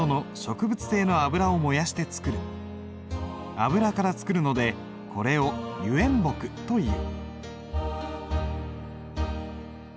油から作るのでこれを油煙墨という。